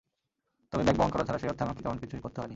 তবে ব্যাগ বহন করা ছাড়া সেই অর্থে আমাকে তেমন কিছু করতে হয়নি।